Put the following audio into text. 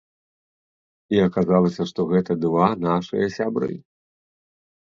І аказалася, што гэта два нашыя сябры.